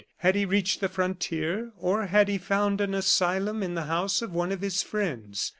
Had he reached the frontier? or had he found an asylum in the house of one of his friends?